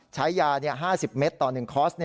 ใช้ยา๕๐เมตรต่อ๑คอร์ส